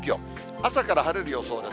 朝から晴れる予想です。